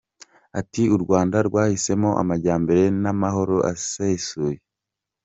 Ati “U Rwanda rwahisemo amajyambere n’amahoro asesuye .